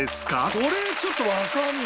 「これちょっとわかんないね」